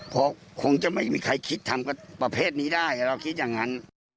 เพราะคงจะไม่มีใครคิดทำกับประเภทนี้ได้เราคิดอย่างนั้น